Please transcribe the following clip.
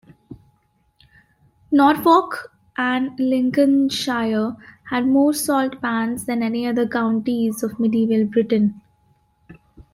Norfolk and Lincolnshire had more salt pans than any other counties of Medieval Britain.